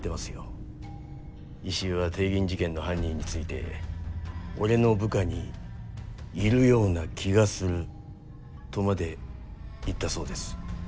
石井は帝銀事件の犯人について「俺の部下にいるような気がする」とまで言ったそうです。